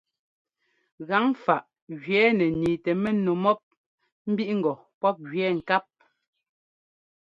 Gaŋfaꞌ gẅɛɛ nɛ niitɛ mɛnu mɔ́p mbiꞌŋgɔ pɔ́p gẅɛɛ ŋkáp.